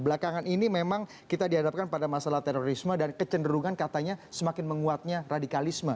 belakangan ini memang kita dihadapkan pada masalah terorisme dan kecenderungan katanya semakin menguatnya radikalisme